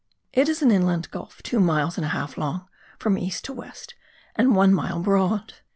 It is an inland gulf two miles and a half long from east to west, and one mile broad.